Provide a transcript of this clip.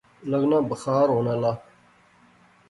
لغنا بخار ہون آلا